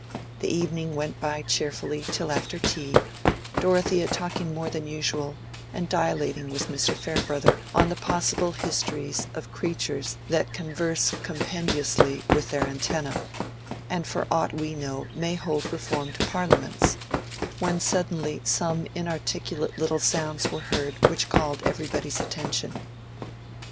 The evening went by cheerfully till after tea, Dorothea talking more than usual and dilating with Mr. Farebrother on the possible histories of creatures that converse compendiously with their antennae, and for aught we know may hold reformed parliaments; when suddenly some inarticulate little sounds were heard which called everybody's attention.